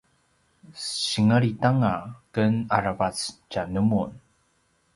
senglit anga ken aravac tja numun